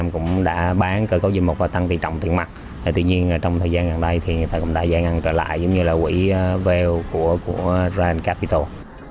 của ryan capital